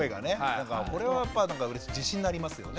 だからこれはやっぱ自信になりますよね。